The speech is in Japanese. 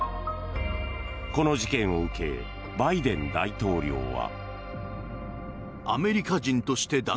この事件を受けバイデン大統領は。